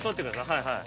はいはい。